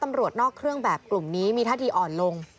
ตำรวจนอกเครื่องแบบกลุ่มนี้มีท่าทีอ่อนลง